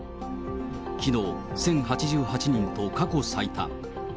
きのう、１０８８人と過去最多。